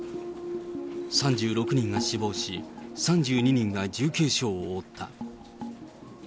３６人が死亡し、３２人が重軽傷を負った。